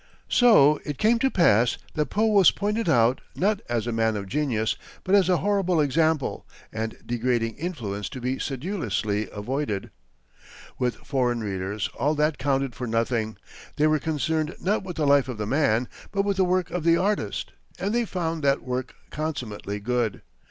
So it came to pass that Poe was pointed out, not as a man of genius, but as a horrible example and degrading influence to be sedulously avoided. With foreign readers, all this counted for nothing. They were concerned not with the life of the man, but with the work of the artist, and they found that work consummately good.